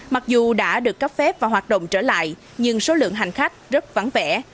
mặc dù đã được cấp phép và hoạt động trở lại nhưng số lượng hành khách rất vắng vẻ